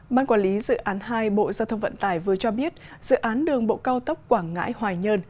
ban quản lý dự án hai bộ giao thông vận tải vừa cho biết dự án đường bộ cao tốc quảng ngãi hòa nhơn